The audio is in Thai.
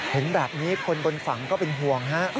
เห็นแบบนี้คนบนฝั่งก็เป็นห่วงฮะ